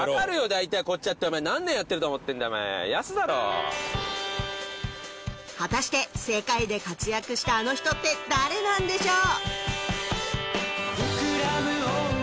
だいたいこっちだって何年やっていると思っているんだお前安だろ果たして世界で活躍したあの人って誰なんでしょう？